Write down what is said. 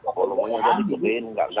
kalau orang orang tidak dipercaya